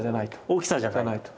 大きさじゃないと。